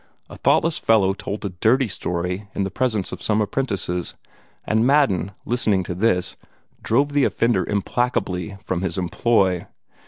A thoughtless fellow told a dirty story in the presence of some apprentices; and Madden, listening to this, drove the offender implacably from his employ.